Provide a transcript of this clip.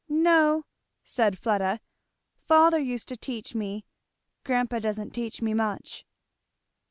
"No," said Fleda, "father used to teach me, grandpa doesn't teach me much."